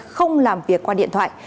không làm việc qua điện thoại